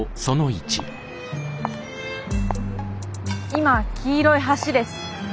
今黄色い橋です。